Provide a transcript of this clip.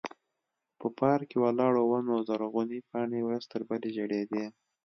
په پارک کې ولاړو ونو زرغونې پاڼې ورځ تر بلې ژړېدې.